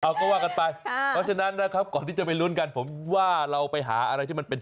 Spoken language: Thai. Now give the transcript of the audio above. เอาก็ว่ากันไปเพราะฉะนั้นนะครับก่อนที่จะไปลุ้นกันผมว่าเราไปหาอะไรที่มันเป็น